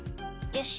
よし！